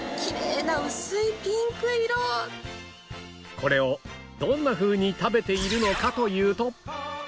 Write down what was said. これをどんなふうに食べているのかというと